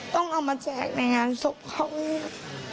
ต้องเอามาแจกในงานศพเขาเงียบ